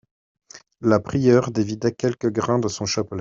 La prieure dévida quelques grains de son chapelet.